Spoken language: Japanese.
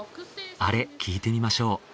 あれ聞いてみましょう。